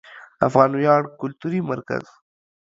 افغان ویاړ کلتوري مرکز